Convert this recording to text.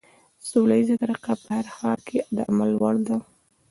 سوله ييزه طريقه په هر حال کې د عمل وړ ده.